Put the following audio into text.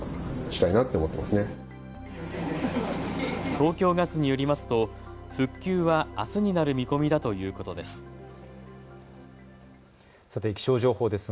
東京ガスによりますと復旧はあすになる見込みだということです。